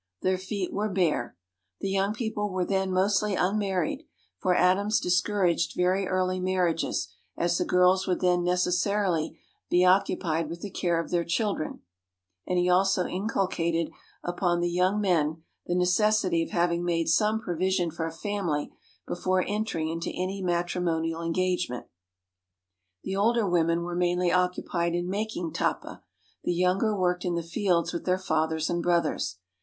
Their feet were bare. The young people were then mostly unmarried, for Adams discouraged very early marriages, as the girls would then necessarily be occupied with the care of their children; and he also inculcated upon the young men the necessity of having made some provision for a family before entering into any matrimonial engage ment. The older women were mainly occupied in mak ing lappa; the younger worked in the fields with their fathers and brothers.